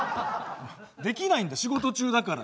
できないんだ仕事中だから。